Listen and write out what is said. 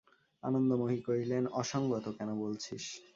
আনন্দময়ী কহিলেন, অসংগত কেন বলছিস?